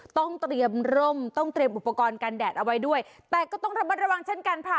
ต้องเตรียมร่มต้องเตรียมอุปกรณ์กันแดดเอาไว้ด้วยแต่ก็ต้องระมัดระวังเช่นกันค่ะ